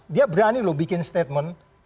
dia berani loh bikin statement